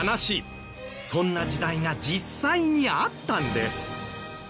そんな時代が実際にあったんです。